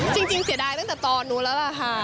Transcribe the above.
เสียดายตั้งแต่ตอนนู้นแล้วล่ะค่ะ